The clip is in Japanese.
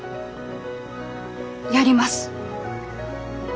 やります！